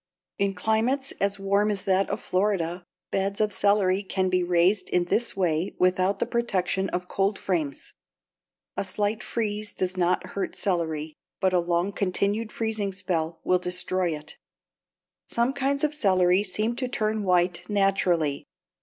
In climates as warm as that of Florida, beds of celery can be raised in this way without the protection of cold frames. A slight freeze does not hurt celery, but a long continued freezing spell will destroy it. Some kinds of celery seem to turn white naturally.